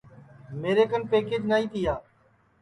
میرے کن پکیچ نائی تیا